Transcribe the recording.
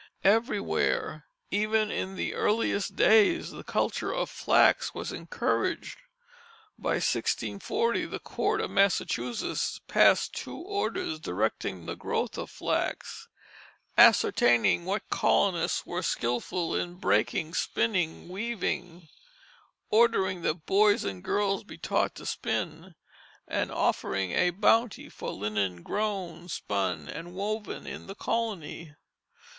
Everywhere, even in the earliest days, the culture of flax was encouraged. By 1640 the Court of Massachusetts passed two orders directing the growth of flax, ascertaining what colonists were skilful in breaking, spinning, weaving, ordering that boys and girls be taught to spin, and offering a bounty for linen grown, spun, and woven in the colony.